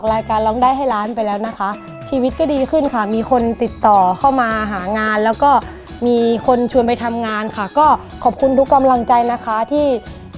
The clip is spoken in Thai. อันนี้เป็นชุดใหม่นะวันหน้ามามี